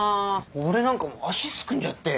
俺なんか足すくんじゃって。